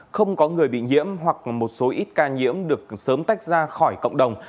không có người bị nhiễm hoặc một số ít ca nhiễm được sớm tách ra khỏi cộng đồng